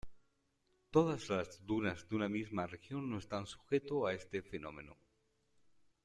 Todas las dunas de una misma región no están sujetos a este fenómeno.